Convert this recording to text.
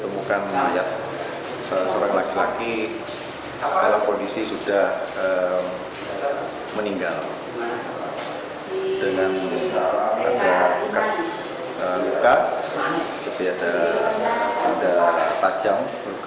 luka ada luka ada luka pacam luka luka luka pacam